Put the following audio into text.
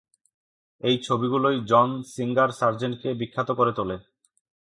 এই ছবিগুলোই John Singer সার্জেন্টকে বিখ্যাত করে তোলে।